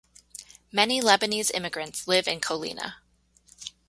Many Lebanese immigrants live in Colina.